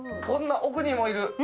こんな奥にもいる！